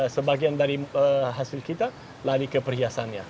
sebagian dari hasil kita lari ke perhiasannya